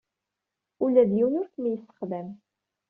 Ula d yiwen ur kem-yessexdam.